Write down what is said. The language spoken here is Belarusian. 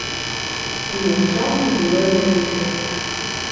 І маўчанне было вялікае.